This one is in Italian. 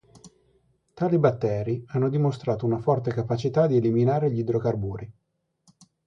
Tali batteri hanno dimostrato una forte capacità di eliminare gli idrocarburi.